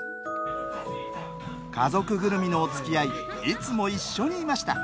家族ぐるみのおつきあいいつも一緒にいました。